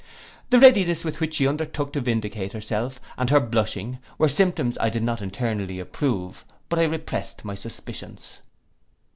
The readiness with which she undertook to vindicate herself, and her blushing, were symptoms I did not internally approve; but I represt my suspicions.